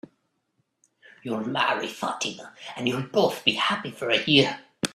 You'll marry Fatima, and you'll both be happy for a year.